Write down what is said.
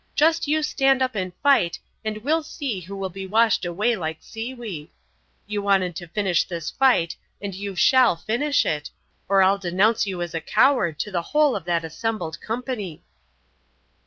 Just you stand up and fight, and we'll see who will be washed away like seaweed. You wanted to finish this fight and you shall finish it, or I'll denounce you as a coward to the whole of that assembled company."